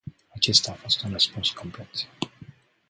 Acesta a fost un răspuns complet.